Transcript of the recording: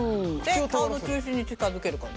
顔の中心に近づける感じですね。